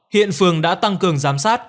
hiện phường đã tăng cường giám sát